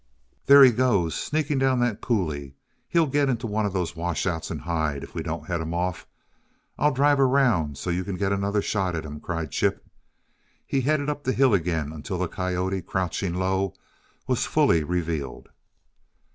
"There he goes, sneaking down that coulee! He'll get into one of those washouts and hide, if we don't head him off. I'll drive around so you can get another shot at him," cried Chip. He headed up the hill again until the coyote, crouching low, was fully revealed.